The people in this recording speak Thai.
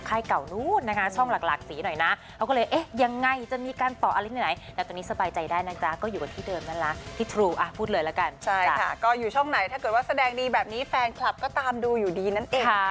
แต่ว่าเดี๋ยวยังไงคงมีโอกาสได้บอกมันอีกทีหนึ่ง